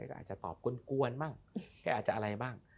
ก็อาจจะตอบกวนบ้างแกอาจจะอะไรบ้าง